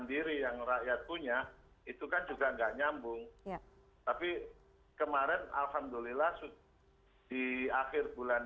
diri yang rakyat punya itu kan juga enggak nyambung tapi kemarin alhamdulillah sudah di akhir bulan